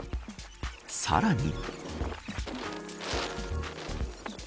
さらに。